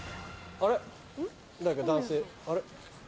あれ！